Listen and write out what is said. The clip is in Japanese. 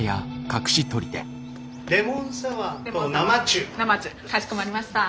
かしこまりました。